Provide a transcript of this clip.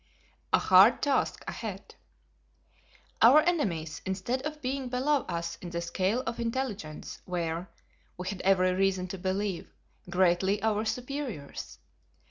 A Hard Task Ahead. Our enemies, instead of being below us in the scale of intelligence were, we had every reason to believe, greatly our superiors.